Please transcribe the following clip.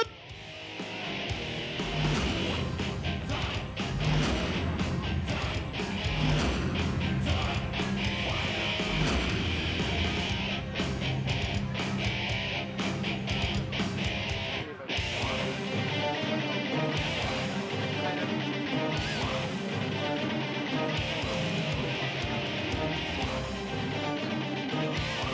โชว์